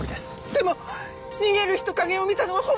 でも逃げる人影を見たのは本当なんです！